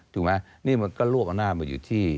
ถูกไหมนี่มันก็รวบอำนาจมาอยู่ที่